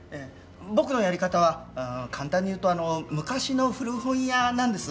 僕のやり方は簡単に言うと昔の古本屋なんです。